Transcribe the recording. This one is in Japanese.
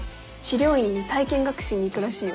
療院に体験学習に行くらしいよ。